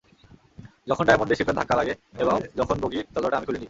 যখন ডায়ামন্ডে শিপটার ধাক্কা লাগে, এবং যখন বগির দরজাটা আমি খুলিনি!